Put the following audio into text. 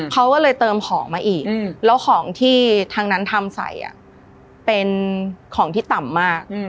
เขาก็เลยเติมของมาอีกแล้วของที่ทางนั้นทำใส่เป็นของที่ต่ำมาก